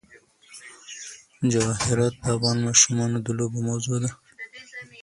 جواهرات د افغان ماشومانو د لوبو موضوع ده.